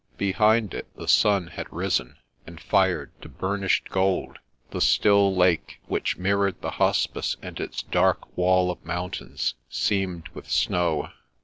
Behind it the sun had risen, and fired to burnished gold the still lake which mirrored the Hospice and its dark wall of mountains, seamed with snow.